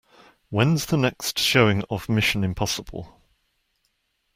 When's the next showing of Mission: Impossible?